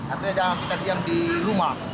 artinya jangan kita diam di rumah